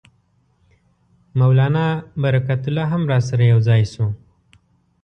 مولنا برکت الله هم راسره یو ځای شو.